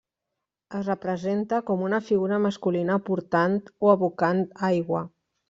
Es representa com una figura masculina portant o abocant aigua.